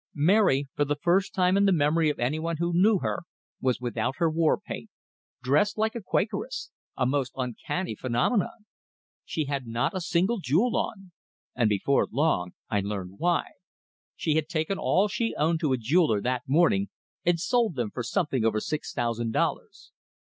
Mary, for the first time in the memory of anyone who knew her, was without her war paint; dressed like a Quakeress a most uncanny phenomenon! She had not a single jewel on; and before long I learned why she had taken all she owned to a jeweler that morning, and sold them for something over six thousand dollars.